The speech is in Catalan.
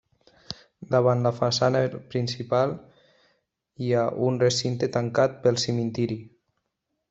Davant la façana principal hi ha un recinte tancat pel cementiri.